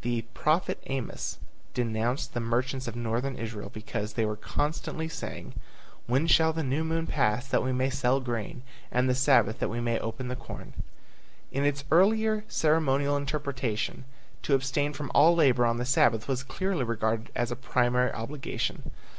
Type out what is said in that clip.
The prophet Amos denounced the merchants of Northern Israel because they were constantly saying, When shall the new moon pass that we may sell grain, And the Sabbath that we may open the corn? In its earlier ceremonial interpretation, to abstain from all labor on the Sabbath was clearly regarded as a primary obligation.